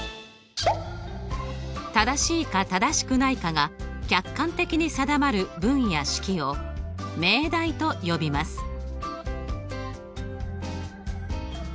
正しいか正しくないかが客観的に定まる文や式を命題と呼びます。